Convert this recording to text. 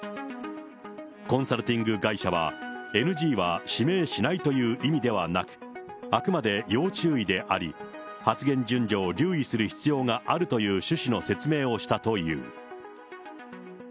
コンサルティング会社は、ＮＧは指名しないという意味ではなく、あくまで要注意であり、発言順序を留意する必要があるという趣旨の説明をしたという。